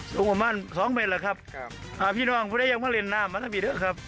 สูงประมาณสองเม็ดเหรอครับพี่น้องพอได้ยังมาเรียนน้ำนะครับ